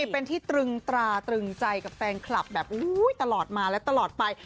เป็นที่ตรึงตราตรึงใจกับแฟนคลับแบบตลอดมาและตลอดไป